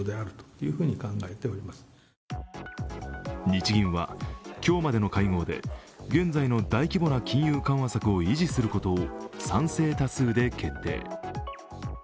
日銀は今日までの会合で現在の大規模な金融緩和策を維持することを賛成多数で決定。